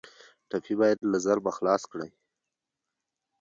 ټپي باید له ظلمه خلاص کړئ.